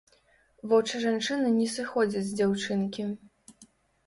Вочы жанчыны не сыходзяць з дзяўчынкі.